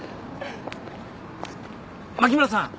牧村さん。